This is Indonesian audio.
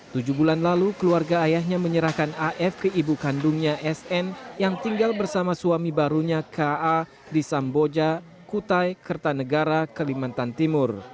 tujuh bulan lalu keluarga ayahnya menyerahkan af ke ibu kandungnya sn yang tinggal bersama suami barunya ka di samboja kutai kertanegara kalimantan timur